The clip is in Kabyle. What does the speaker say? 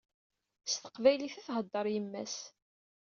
S teqbaylit i theddeṛ yemma-s.